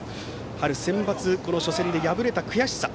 春センバツは初戦で敗れた悔しさ。